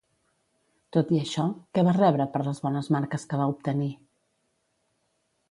Tot i això, què va rebre per les bones marques que va obtenir?